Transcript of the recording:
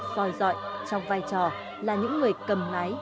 coi dọi trong vai trò là những người cầm lái